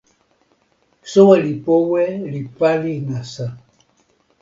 soweli powe li pali nasa.